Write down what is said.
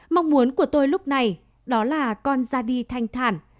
mong muốn của tôi lúc này đó là con ra đi thanh thản